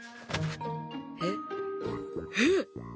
えっへっ！